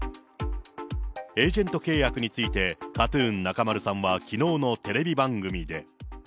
エージェント契約について、ＫＡＴ−ＴＵＮ・中丸さんはきのうのテレビ番組で。